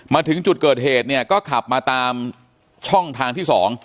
มาถึงจุดเกิดเหตุเนี่ยก็ขับมาตามช่องทางที่สอง